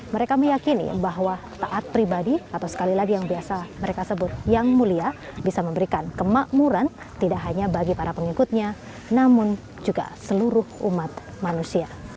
mereka meyakini bahwa taat pribadi atau sekali lagi yang biasa mereka sebut yang mulia bisa memberikan kemakmuran tidak hanya bagi para pengikutnya namun juga seluruh umat manusia